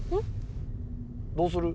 どうする？